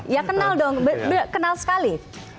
ya kenal dong kenal sekali